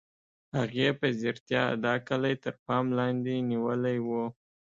هغې په ځیرتیا دا کلی تر پام لاندې نیولی و